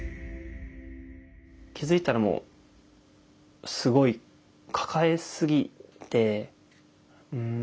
気付いたらもうすごい抱えすぎてうん。